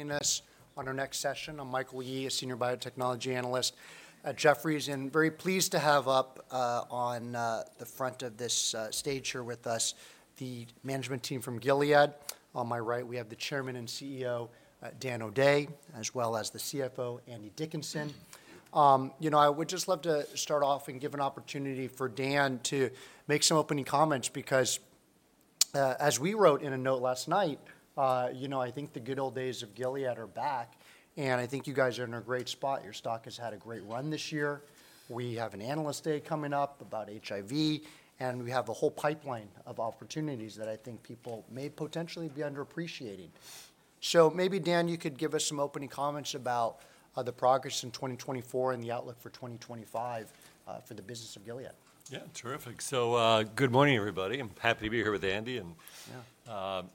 Joining us on our next session. I'm Michael Yee, a Senior Biotechnology Analyst. Jefferies and very pleased to have up on the front of this stage here with us the management team from Gilead. On my right, we have the Chairman and CEO, Dan O'Day, as well as the CFO, Andy Dickinson. You know, I would just love to start off and give an opportunity for Dan to make some opening comments because, as we wrote in a note last night, you know, I think the good old days of Gilead are back, and I think you guys are in a great spot. Your stock has had a great run this year. We have an Analyst Day coming up about HIV, and we have a whole pipeline of opportunities that I think people may potentially be underappreciating. So, maybe, Dan, you could give us some opening comments about the progress in 2024 and the outlook for 2025 for the business of Gilead. Yeah, terrific. So good morning, everybody. I'm happy to be here with Andy and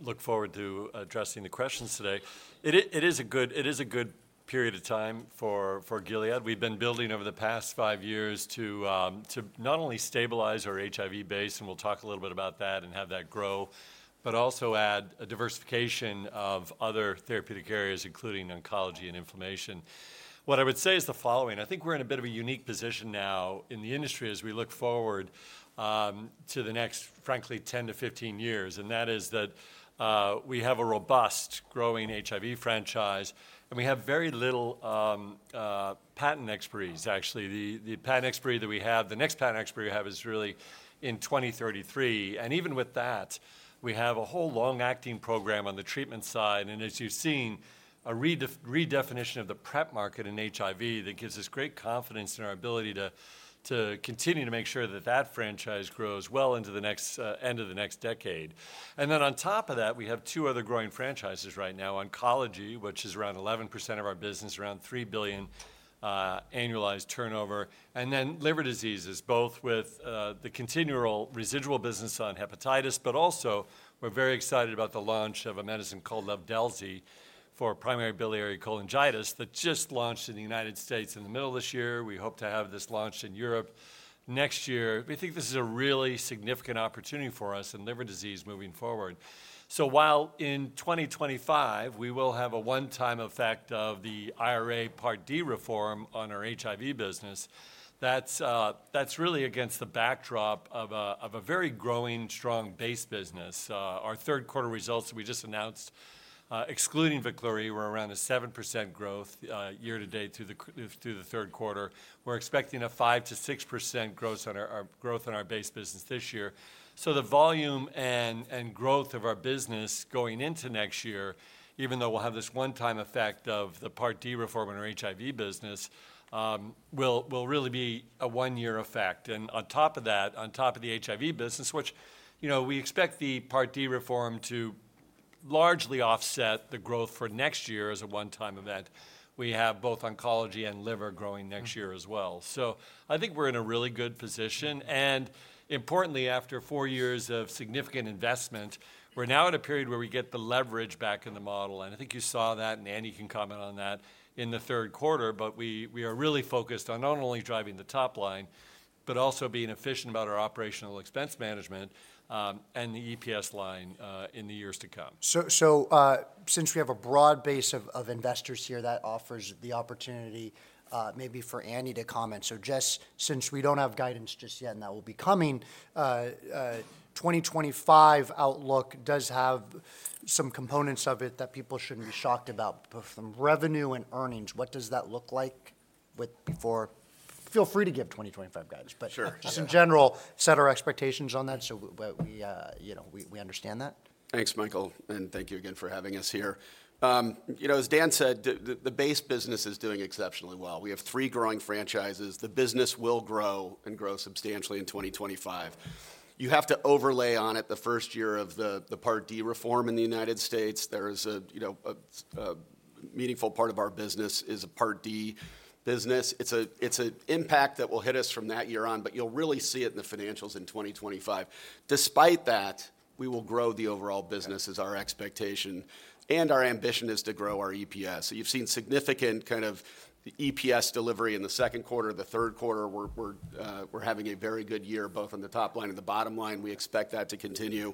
look forward to addressing the questions today. It is a good period of time for Gilead. We've been building over the past five years to not only stabilize our HIV base, and we'll talk a little bit about that and have that grow, but also add a diversification of other therapeutic areas, including oncology and inflammation. What I would say is the following. I think we're in a bit of a unique position now in the industry as we look forward to the next, frankly, 10 to 15 years, and that is that we have a robust, growing HIV franchise, and we have very little patent expiry, actually. The patent expiry that we have, the next patent expiry we have, is really in 2033. And even with that, we have a whole long-acting program on the treatment side, and as you've seen, a redefinition of the PrEP market in HIV that gives us great confidence in our ability to continue to make sure that that franchise grows well into the next end of the next decade. And then on top of that, we have two other growing franchises right now: oncology, which is around 11% of our business, around $3 billion annualized turnover, and then liver diseases, both with the continual residual business on hepatitis, but also we're very excited about the launch of a medicine called Livdelzi for primary biliary cholangitis that just launched in the United States in the middle of this year. We hope to have this launched in Europe next year. We think this is a really significant opportunity for us in liver disease moving forward. While in 2025 we will have a one-time effect of the IRA Part D reform on our HIV business, that's really against the backdrop of a very growing, strong base business. Our third quarter results that we just announced, excluding Veklury, were around a 7% growth year to date through the third quarter. We're expecting a 5%-6% growth on our base business this year. So the volume and growth of our business going into next year, even though we'll have this one-time effect of the Part D reform on our HIV business, will really be a one-year effect. And on top of that, on top of the HIV business, which, you know, we expect the Part D reform to largely offset the growth for next year as a one-time event, we have both oncology and liver growing next year as well. I think we're in a really good position. And importantly, after four years of significant investment, we're now at a period where we get the leverage back in the model. And I think you saw that, and Andy can comment on that in the third quarter, but we are really focused on not only driving the top line, but also being efficient about our operational expense management and the EPS line in the years to come. So since we have a broad base of investors here, that offers the opportunity maybe for Andy to comment. So just since we don't have guidance just yet, and that will be coming, 2025 outlook does have some components of it that people shouldn't be shocked about. From revenue and earnings, what does that look like with? Before, feel free to give 2025 guidance, but just in general, set our expectations on that so we understand that. Thanks, Michael, and thank you again for having us here. You know, as Dan said, the base business is doing exceptionally well. We have three growing franchises. The business will grow and grow substantially in 2025. You have to overlay on it the first year of the Part D reform in the United States. There is a meaningful part of our business is a Part D business. It's an impact that will hit us from that year on, but you'll really see it in the financials in 2025. Despite that, we will grow the overall business as our expectation, and our ambition is to grow our EPS. So you've seen significant kind of EPS delivery in the second quarter, the third quarter. We're having a very good year both on the top line and the bottom line. We expect that to continue.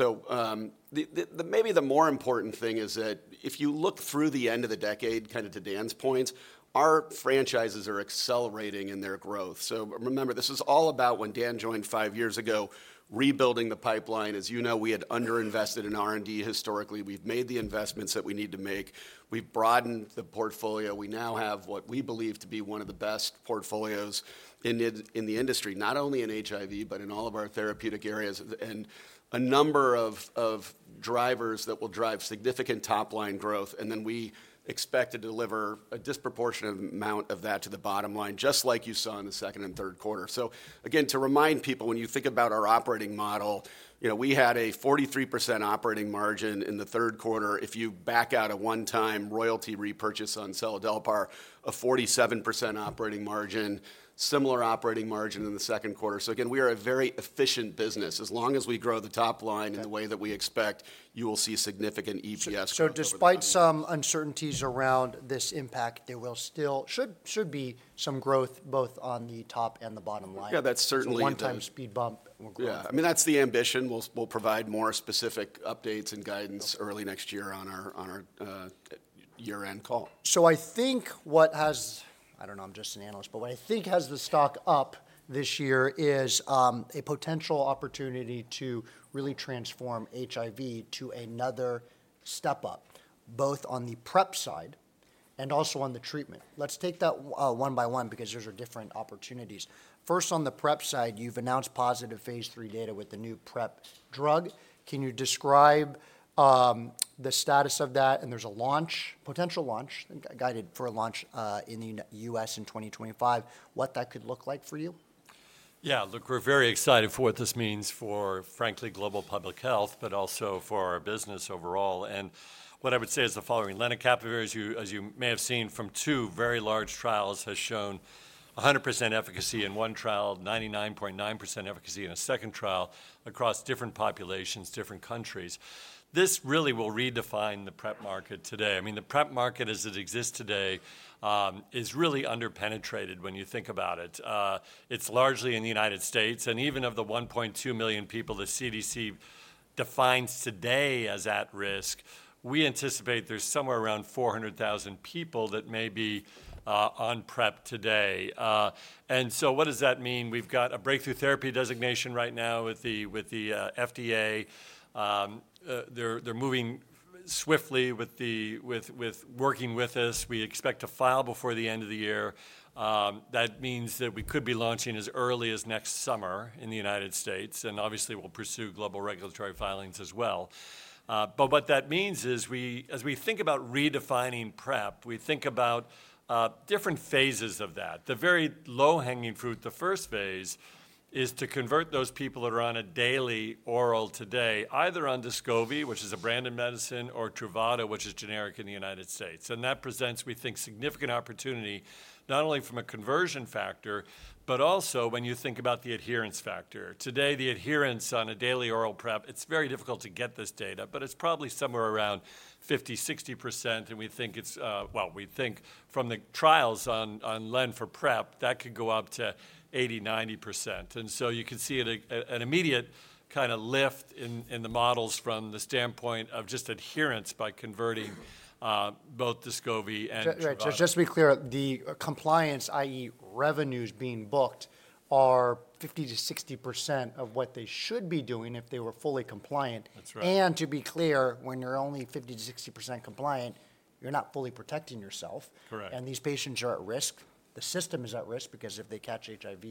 Maybe the more important thing is that if you look through the end of the decade, kind of to Dan's points, our franchises are accelerating in their growth. Remember, this is all about when Dan joined five years ago, rebuilding the pipeline. As you know, we had underinvested in R&D historically. We've made the investments that we need to make. We've broadened the portfolio. We now have what we believe to be one of the best portfolios in the industry, not only in HIV, but in all of our therapeutic areas and a number of drivers that will drive significant top line growth. We expect to deliver a disproportionate amount of that to the bottom line, just like you saw in the second and third quarter. So again, to remind people, when you think about our operating model, you know, we had a 43% operating margin in the third quarter. If you back out a one-time royalty repurchase on seladelpar, a 47% operating margin, similar operating margin in the second quarter. So again, we are a very efficient business. As long as we grow the top line in the way that we expect, you will see significant EPS growth. So despite some uncertainties around this impact, there will still should be some growth both on the top and the bottom line. Yeah, that's certainly. One-time speed bump will grow. Yeah, I mean, that's the ambition. We'll provide more specific updates and guidance early next year on our year-end call. So I think what has, I don't know, I'm just an analyst, but what I think has the stock up this year is a potential opportunity to really transform HIV to another step up, both on the PrEP side and also on the treatment. Let's take that one by one because those are different opportunities. First, on the PrEP side, you've announced positive phase three data with the new PrEP drug. Can you describe the status of that? And there's a launch, potential launch, guided for a launch in the U.S. in 2025, what that could look like for you? Yeah, look, we're very excited for what this means for, frankly, global public health, but also for our business overall. And what I would say is the following. Lenacapavir, as you may have seen from two very large trials, has shown 100% efficacy in one trial, 99.9% efficacy in a second trial across different populations, different countries. This really will redefine the PrEP market today. I mean, the PrEP market as it exists today is really underpenetrated when you think about it. It's largely in the United States. And even of the 1.2 million people the CDC defines today as at risk, we anticipate there's somewhere around 400,000 people that may be on PrEP today. And so what does that mean? We've got a breakthrough therapy designation right now with the FDA. They're moving swiftly with working with us. We expect to file before the end of the year. That means that we could be launching as early as next summer in the United States. And obviously, we'll pursue global regulatory filings as well. But what that means is as we think about redefining PrEP, we think about different phases of that. The very low-hanging fruit, the first phase, is to convert those people that are on a daily oral today, either on Descovy, which is a branded medicine, or Truvada, which is generic in the United States. And that presents, we think, significant opportunity, not only from a conversion factor, but also when you think about the adherence factor. Today, the adherence on a daily oral PrEP, it's very difficult to get this data, but it's probably somewhere around 50%, 60%. And we think it's, well, we think from the trials on Len for PrEP, that could go up to 80%, 90%. You can see an immediate kind of lift in the models from the standpoint of just adherence by converting both Descovy and Truvada. Just to be clear, the compliance, i.e., revenues being booked, are 50%-60% of what they should be doing if they were fully compliant. That's right. To be clear, when you're only 50%-60% compliant, you're not fully protecting yourself. Correct. These patients are at risk. The system is at risk because if they catch HIV,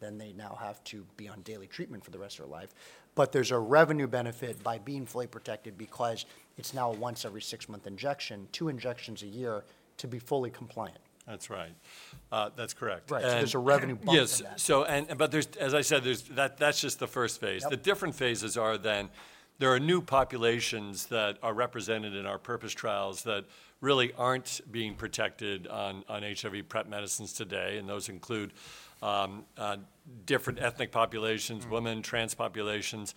then they now have to be on daily treatment for the rest of their life. There's a revenue benefit by being fully protected because it's now a once-every-six-month injection, two injections a year to be fully compliant. That's right. That's correct. Right. There's a revenue bump for that. Yes. So, but there's, as I said, that's just the first phase. The different phases are then there are new populations that are represented in our PURPOSE trials that really aren't being protected on HIV PrEP medicines today. And those include different ethnic populations, women, trans populations.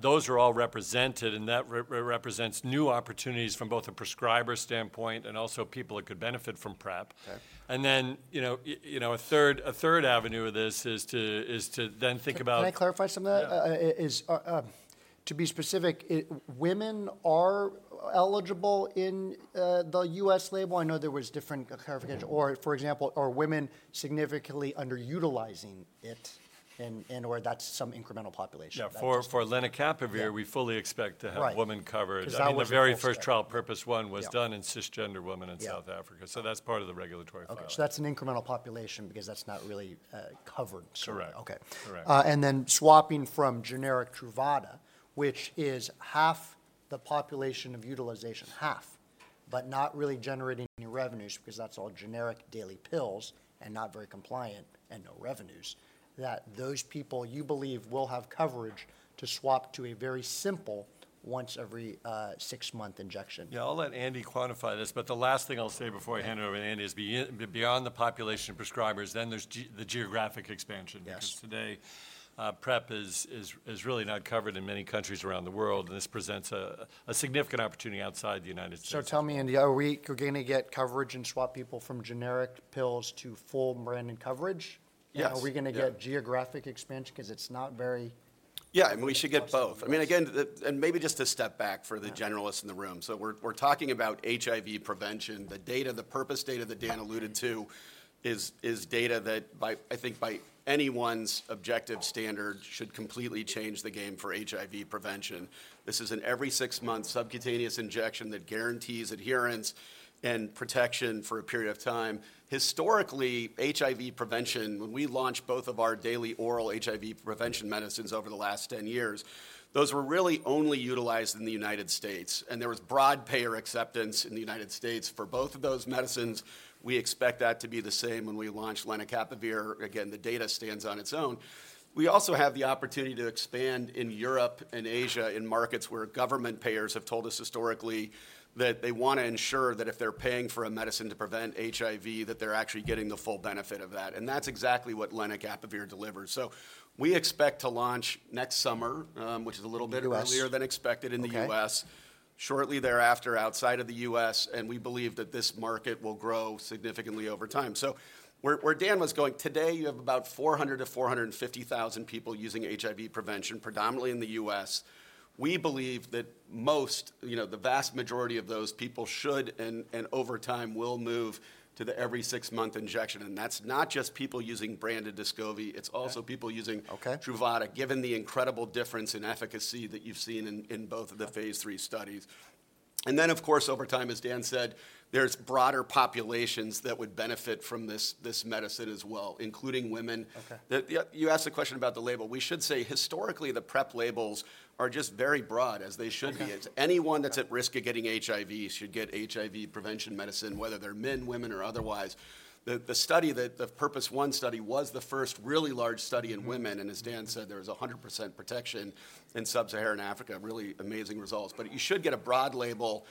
Those are all represented, and that represents new opportunities from both a prescriber standpoint and also people that could benefit from PrEP. And then, you know, a third avenue of this is to then think about. Can I clarify some of that? To be specific, women are eligible in the U.S. label? I know there was different clarification. Or, for example, are women significantly underutilizing it, and/or that's some incremental population? Yeah, for lenacapavir, we fully expect to have women covered. Right. The very first trial PURPOSE 1 was done in cisgender women in South Africa. So that's part of the regulatory file. So that's an incremental population because that's not really covered. Correct. Okay. And then swapping from generic Truvada, which is half the population of utilization, half, but not really generating any revenues because that's all generic daily pills and not very compliant and no revenues, that those people you believe will have coverage to swap to a very simple once-every-six-month injection. Yeah, I'll let Andy quantify this, but the last thing I'll say before I hand it over to Andy is, beyond the population of prescribers, then there's the geographic expansion. Because today, PrEP is really not covered in many countries around the world, and this presents a significant opportunity outside the United States. So tell me, Andy, are we going to get coverage and swap people from generic pills to full branded coverage? Yes. Are we going to get geographic expansion because it's not very? Yeah, and we should get both. I mean, again, and maybe just a step back for the generalists in the room. So we're talking about HIV prevention. The data, the PURPOSE data that Dan alluded to is data that, I think by anyone's objective standard, should completely change the game for HIV prevention. This is an every-six-month subcutaneous injection that guarantees adherence and protection for a period of time. Historically, HIV prevention, when we launched both of our daily oral HIV prevention medicines over the last 10 years, those were really only utilized in the United States. And there was broad payer acceptance in the United States for both of those medicines. We expect that to be the same when we launch lenacapavir. Again, the data stands on its own. We also have the opportunity to expand in Europe and Asia in markets where government payers have told us historically that they want to ensure that if they're paying for a medicine to prevent HIV, that they're actually getting the full benefit of that. And that's exactly what lenacapavir delivers. So we expect to launch next summer, which is a little bit earlier than expected in the U.S., shortly thereafter outside of the U.S., and we believe that this market will grow significantly over time. So where Dan was going, today you have about 400,000-450,000 people using HIV prevention, predominantly in the U.S. We believe that most, you know, the vast majority of those people should and over time will move to the every-six-month injection. And that's not just people using branded Descovy. It's also people using Truvada, given the incredible difference in efficacy that you've seen in both of the phase 3 studies. And then, of course, over time, as Dan said, there's broader populations that would benefit from this medicine as well, including women. You asked the question about the label. We should say historically the PrEP labels are just very broad, as they should be. Anyone that's at risk of getting HIV should get HIV prevention medicine, whether they're men, women, or otherwise. The study, the PURPOSE 1 study, was the first really large study in women. And as Dan said, there was 100% protection in sub-Saharan Africa, really amazing results. But you should get a broad label.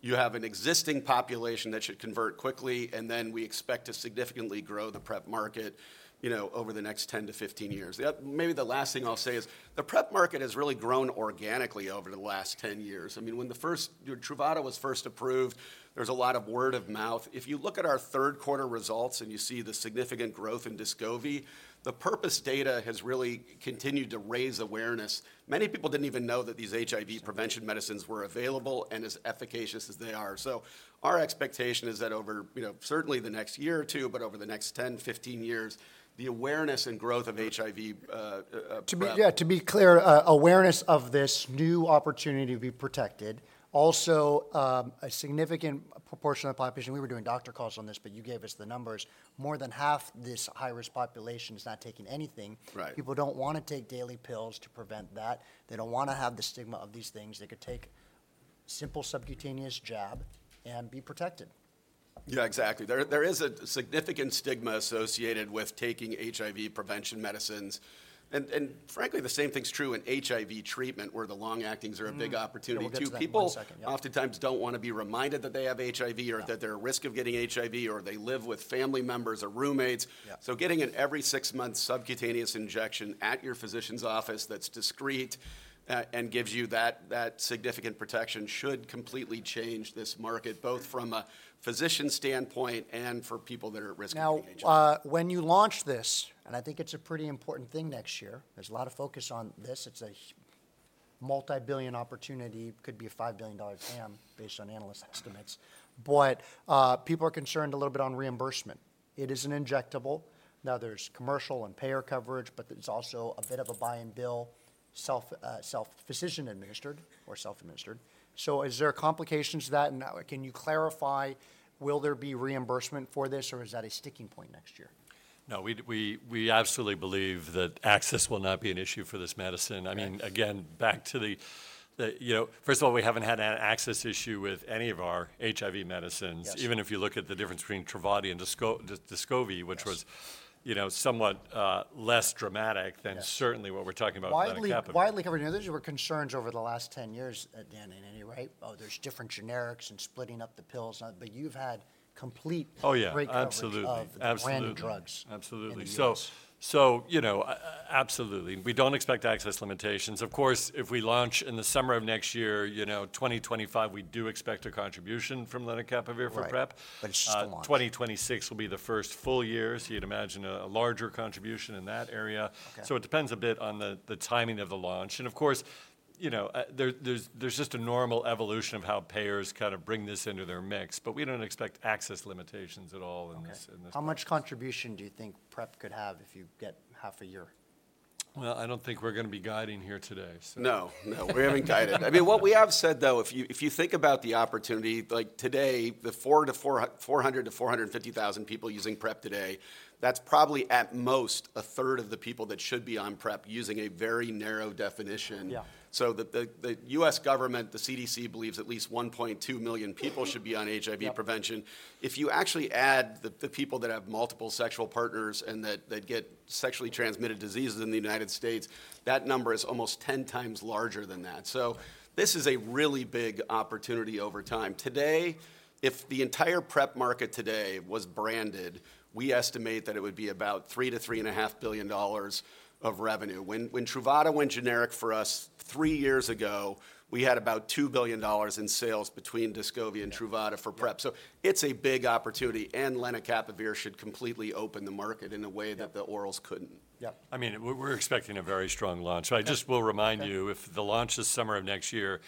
You have an existing population that should convert quickly, and then we expect to significantly grow the PrEP market, you know, over the next 10 to 15 years. Maybe the last thing I'll say is the PrEP market has really grown organically over the last 10 years. I mean, when Truvada was first approved, there was a lot of word of mouth. If you look at our third quarter results and you see the significant growth in Descovy, the PURPOSE data has really continued to raise awareness. Many people didn't even know that these HIV prevention medicines were available and as efficacious as they are. So our expectation is that over, you know, certainly the next year or two, but over the next 10, 15 years, the awareness and growth of HIV. Yeah, to be clear, awareness of this new opportunity to be protected. Also, a significant proportion of the population, we were doing doctor calls on this, but you gave us the numbers, more than half this high-risk population is not taking anything. People don't want to take daily pills to prevent that. They don't want to have the stigma of these things. They could take simple subcutaneous jab and be protected. Yeah, exactly. There is a significant stigma associated with taking HIV prevention medicines. And frankly, the same thing's true in HIV treatment, where the long-actings are a big opportunity too. People oftentimes don't want to be reminded that they have HIV or that they're at risk of getting HIV or they live with family members or roommates. So getting an every-six-month subcutaneous injection at your physician's office that's discreet and gives you that significant protection should completely change this market, both from a physician standpoint and for people that are at risk of getting HIV. Now, when you launch this, and I think it's a pretty important thing next year, there's a lot of focus on this. It's a multi-billion opportunity, could be a $5 billion PrEP based on analyst estimates. But people are concerned a little bit on reimbursement. It is an injectable. Now, there's commercial and payer coverage, but there's also a bit of a buy-and-bill, self-physician-administered or self-administered. So is there complications to that? And can you clarify, will there be reimbursement for this, or is that a sticking point next year? No, we absolutely believe that access will not be an issue for this medicine. I mean, again, back to the, you know, first of all, we haven't had an access issue with any of our HIV medicines. Even if you look at the difference between Truvada and Descovy, which was, you know, somewhat less dramatic than certainly what we're talking about with lenacapavir. Widely covered. And those were concerns over the last 10 years, Dan, in any way? Oh, there's different generics and splitting up the pills. But you've had complete breakup of branded drugs. Absolutely. Absolutely. So, you know, absolutely. We don't expect access limitations. Of course, if we launch in the summer of next year, you know, 2025, we do expect a contribution from lenacapavir for PrEP. Right, but it's still launching. 2026 will be the first full year, so you'd imagine a larger contribution in that area. So it depends a bit on the timing of the launch. And of course, you know, there's just a normal evolution of how payers kind of bring this into their mix. But we don't expect access limitations at all in this. How much contribution do you think PrEP could have if you get half a year? I don't think we're going to be guiding here today. So. No, no. We haven't guided. I mean, what we have said, though, if you think about the opportunity, like today, the 400,000 to 450,000 people using PrEP today, that's probably at most a third of the people that should be on PrEP using a very narrow definition. So the U.S. government, the CDC, believes at least 1.2 million people should be on HIV prevention. If you actually add the people that have multiple sexual partners and that get sexually transmitted diseases in the United States, that number is almost 10 times larger than that. So this is a really big opportunity over time. Today, if the entire PrEP market today was branded, we estimate that it would be about $3 billion-$3.5 billion of revenue. When Truvada went generic for us three years ago, we had about $2 billion in sales between Descovy and Truvada for PrEP. It's a big opportunity, and lenacapavir should completely open the market in a way that the orals couldn't. Yeah. I mean, we're expecting a very strong launch. I just will remind you, if the launch is summer of next year,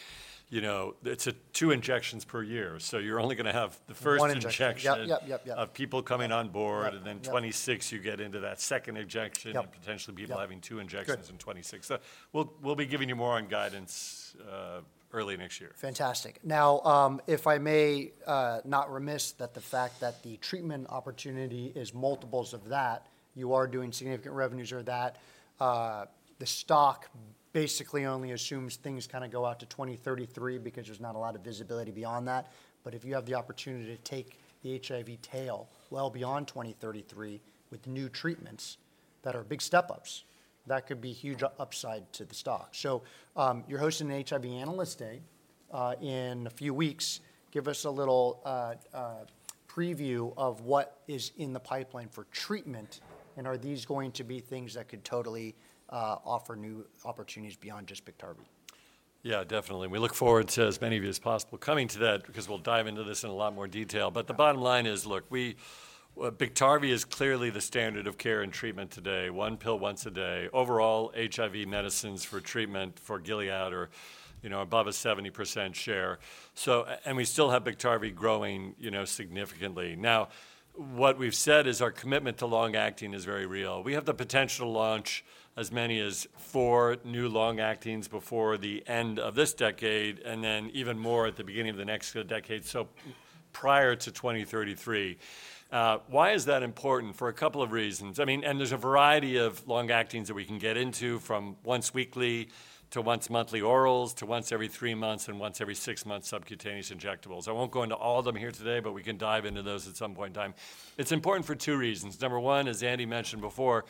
you know, it's two injections per year. So you're only going to have the first injection of people coming on board, and then 2026, you get into that second injection, and potentially people having two injections in 2026. So we'll be giving you more on guidance early next year. Fantastic. Now, if I may not be remiss the fact that the treatment opportunity is multiples of that, you are doing significant revenues with that. The stock basically only assumes things kind of go out to 2033 because there's not a lot of visibility beyond that. But if you have the opportunity to take the HIV tail well beyond 2033 with new treatments that are big step-ups, that could be huge upside to the stock. So you're hosting an HIV analyst day in a few weeks. Give us a little preview of what is in the pipeline for treatment, and are these going to be things that could totally offer new opportunities beyond just Biktarvy? Yeah, definitely. We look forward to as many of you as possible coming to that because we'll dive into this in a lot more detail. But the bottom line is, look, Biktarvy is clearly the standard of care and treatment today. One pill once a day. Overall, HIV medicines for treatment for Gilead are, you know, above a 70% share. So, and we still have Biktarvy growing, you know, significantly. Now, what we've said is our commitment to long-acting is very real. We have the potential to launch as many as four new long-actings before the end of this decade, and then even more at the beginning of the next decade, so prior to 2033. Why is that important? For a couple of reasons. I mean, and there's a variety of long-actings that we can get into from once weekly to once monthly orals to once every three months and once every six months subcutaneous injectables. I won't go into all of them here today, but we can dive into those at some point in time. It's important for two reasons. Number one is, as Andy mentioned before,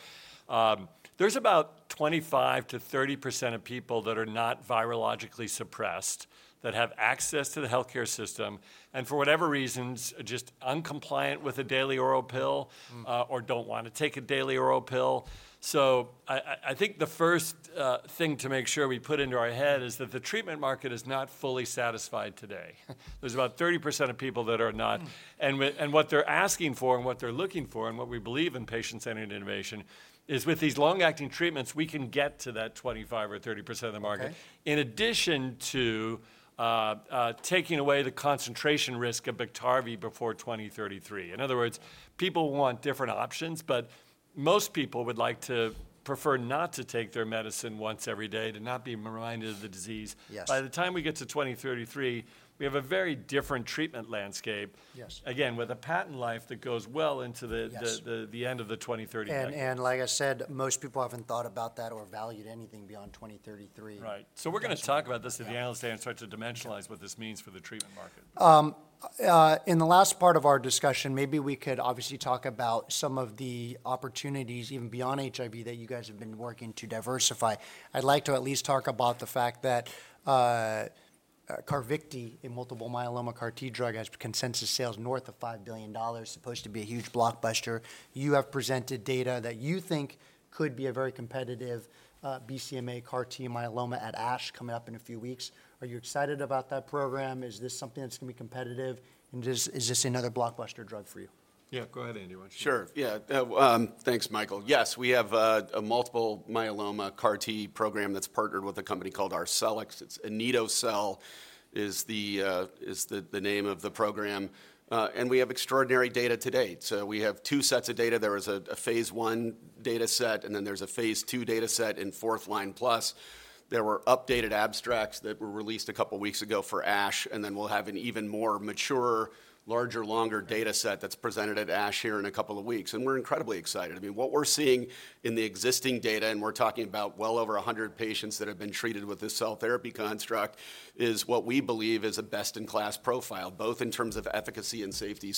there's about 25%-30% of people that are not virologically suppressed that have access to the healthcare system and for whatever reasons just uncompliant with a daily oral pill or don't want to take a daily oral pill. So I think the first thing to make sure we put into our head is that the treatment market is not fully satisfied today. There's about 30% of people that are not. And what they're asking for and what they're looking for and what we believe in patient-centered innovation is, with these long-acting treatments, we can get to that 25% or 30% of the market in addition to taking away the concentration risk of Biktarvy before 2033. In other words, people want different options, but most people would like to prefer not to take their medicine once every day to not be reminded of the disease. By the time we get to 2033, we have a very different treatment landscape, again, with a patent life that goes well into the end of the 2030s. Like I said, most people haven't thought about that or valued anything beyond 2033. Right, so we're going to talk about this at the analyst day and start to dimensionalize what this means for the treatment market. In the last part of our discussion, maybe we could obviously talk about some of the opportunities even beyond HIV that you guys have been working to diversify. I'd like to at least talk about the fact that Carvykti, a multiple myeloma CAR-T drug, has consensus sales north of $5 billion, supposed to be a huge blockbuster. You have presented data that you think could be a very competitive BCMA CAR-T myeloma at ASH coming up in a few weeks. Are you excited about that program? Is this something that's going to be competitive? And is this another blockbuster drug for you? Yeah, go ahead, Andy. Sure. Yeah. Thanks, Michael. Yes, we have a multiple myeloma CAR-T program that's partnered with a company called Arcelix. It's anito-cel is the name of the program. And we have extraordinary data to date. So we have two sets of data. There is a phase one data set, and then there's a phase two data set in fourth line plus. There were updated abstracts that were released a couple of weeks ago for ASH, and then we'll have an even more mature, larger, longer data set that's presented at ASH here in a couple of weeks. And we're incredibly excited. I mean, what we're seeing in the existing data, and we're talking about well over 100 patients that have been treated with this cell therapy construct, is what we believe is a best-in-class profile, both in terms of efficacy and safety.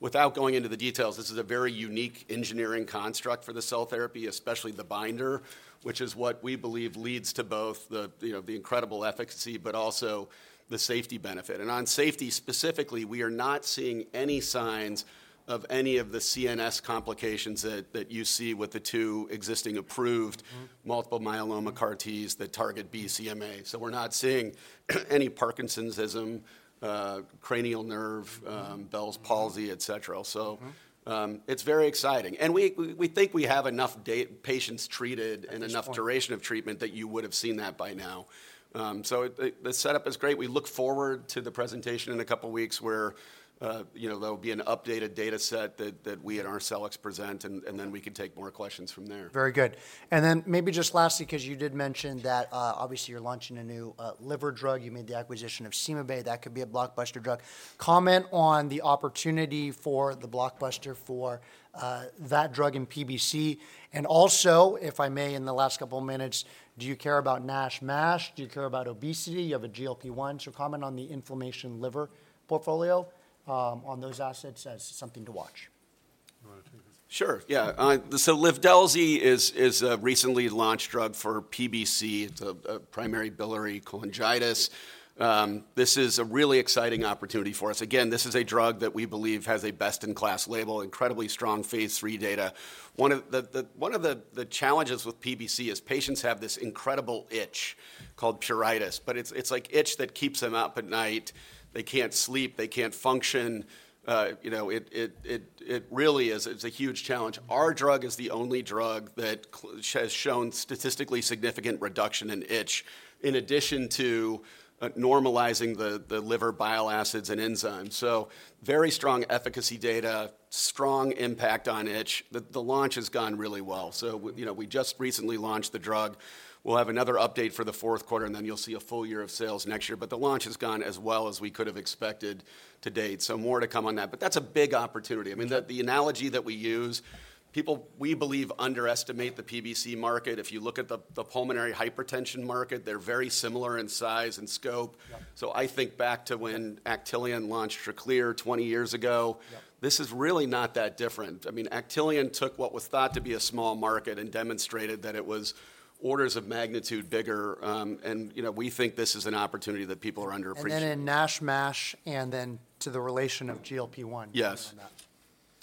Without going into the details, this is a very unique engineering construct for the cell therapy, especially the binder, which is what we believe leads to both the incredible efficacy, but also the safety benefit. And on safety specifically, we are not seeing any signs of any of the CNS complications that you see with the two existing approved multiple myeloma CAR-Ts that target BCMA. So we're not seeing any parkinsonism, cranial nerve, Bell's palsy, et cetera. So it's very exciting. And we think we have enough patients treated and enough duration of treatment that you would have seen that by now. So the setup is great. We look forward to the presentation in a couple of weeks where, you know, there'll be an updated data set that we at Arcelix present, and then we can take more questions from there. Very good. And then maybe just lastly, because you did mention that obviously you're launching a new liver drug, you made the acquisition of CymaBay. That could be a blockbuster drug. Comment on the opportunity for the blockbuster for that drug in PBC. And also, if I may, in the last couple of minutes, do you care about NASH/MASH? Do you care about obesity? You have a GLP-1. So comment on the inflammation liver portfolio on those assets as something to watch. Sure. Yeah. So Livdelzi is a recently launched drug for PBC. It's a primary biliary cholangitis. This is a really exciting opportunity for us. Again, this is a drug that we believe has a best-in-class label, incredibly strong phase three data. One of the challenges with PBC is patients have this incredible itch called pruritus, but it's like itch that keeps them up at night. They can't sleep. They can't function. You know, it really is a huge challenge. Our drug is the only drug that has shown statistically significant reduction in itch in addition to normalizing the liver bile acids and enzymes. So very strong efficacy data, strong impact on itch. The launch has gone really well. So, you know, we just recently launched the drug. We'll have another update for the fourth quarter, and then you'll see a full year of sales next year. But the launch has gone as well as we could have expected to date. So more to come on that. But that's a big opportunity. I mean, the analogy that we use, people we believe underestimate the PBC market. If you look at the pulmonary hypertension market, they're very similar in size and scope. So I think back to when Actelion launched Tracleer 20 years ago, this is really not that different. I mean, Actelion took what was thought to be a small market and demonstrated that it was orders of magnitude bigger. And, you know, we think this is an opportunity that people are underappreciating. And then in NASH/MASH and then to the relation of GLP-1. Yes.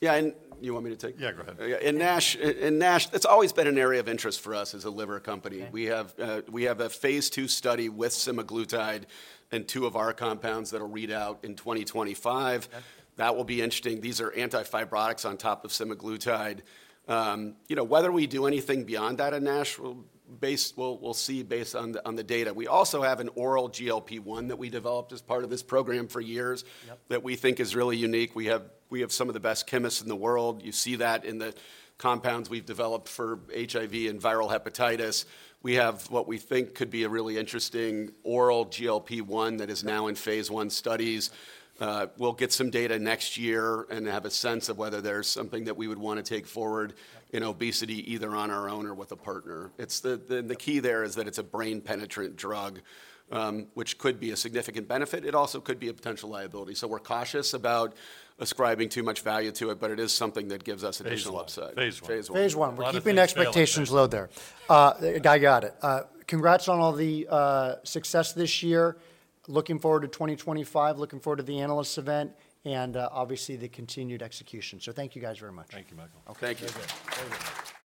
Yeah. And you want me to take? Yeah, go ahead. In NASH, it's always been an area of interest for us as a liver company. We have a phase two study with semaglutide and two of our compounds that will read out in 2025. That will be interesting. These are anti-fibrotics on top of semaglutide. You know, whether we do anything beyond that in NASH, we'll see based on the data. We also have an oral GLP-1 that we developed as part of this program for years that we think is really unique. We have some of the best chemists in the world. You see that in the compounds we've developed for HIV and viral hepatitis. We have what we think could be a really interesting oral GLP-1 that is now in phase one studies. We'll get some data next year and have a sense of whether there's something that we would want to take forward in obesity either on our own or with a partner. The key there is that it's a brain-penetrating drug, which could be a significant benefit. It also could be a potential liability. So we're cautious about ascribing too much value to it, but it is something that gives us additional upside. Phase one. Phase one. phase one. We're keeping expectations low there. I got it. Congrats on all the success this year. Looking forward to 2025, looking forward to the analyst event, and obviously the continued execution. So thank you guys very much. Thank you, Michael. Thank you.